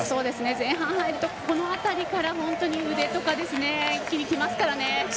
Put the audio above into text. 前半入るとこのあたりから腕とか一気にきますからね。